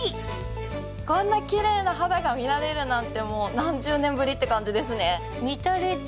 こんなきれいな肌が見られるなんてもう何十年ぶりって感じですね。